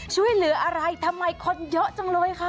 ช่วยเหลืออะไรทำไมคนเยอะจังเลยค่ะ